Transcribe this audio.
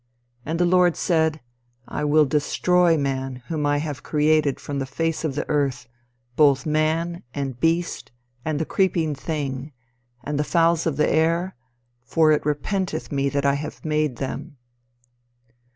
"And the Lord said, I will destroy man whom I have created from the face of the earth; both man, and beast, and the creeping thing, and the fowls of the air; for it repenteth me that I have made them."